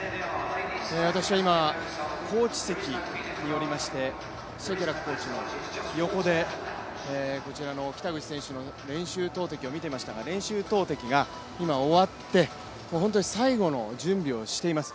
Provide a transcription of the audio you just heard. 私は今、コーチ席におりましてシェケラックコーチの横でこちらの北口選手の練習投てきを見ていましたが練習投てきが今終わって、本当に最後の準備をしています。